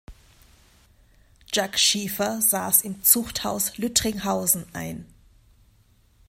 Jack Schiefer saß im Zuchthaus Lüttringhausen ein.